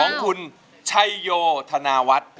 ของคุณชัยโยธนาวัฒน์